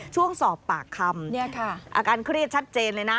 ช่วงสอบปากคำอาการเครียดชัดเจนเลยนะ